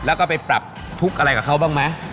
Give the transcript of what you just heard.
แล้วก็ไปปรับทุกข์อะไรกับเขาบ้างไหม